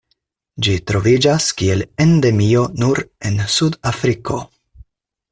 Ĝi troviĝas kiel endemio nur en Sudafriko.